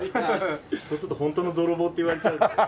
そうするとホントの泥棒って言われちゃうんで。